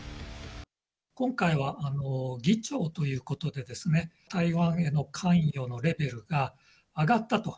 今回は議長ということでですね、台湾への関与のレベルが上がったと。